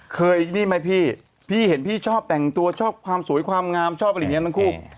ไอ้นี่ไหมพี่พี่เห็นพี่ชอบแต่งตัวชอบความสวยความงามชอบอะไรอย่างนี้ทั้งคู่